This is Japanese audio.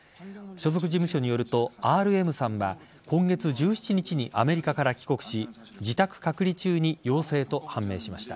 所属事務所によるとＲＭさんは今月１７日にアメリカから帰国し自宅隔離中に陽性と判明しました。